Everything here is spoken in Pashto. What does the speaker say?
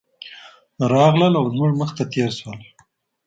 راغلل او زموږ مخې ته تېر شول.